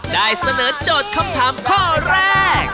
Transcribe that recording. ได้เสนอโจทย์คำถามข้อแรก